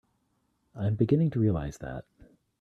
I'm beginning to realize that.